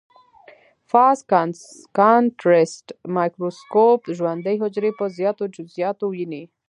فاز کانټرسټ مایکروسکوپ ژوندۍ حجرې په زیاتو جزئیاتو ويني.